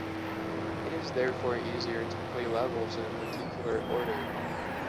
It is therefore easier to play levels in a particular order.